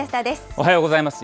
おはようございます。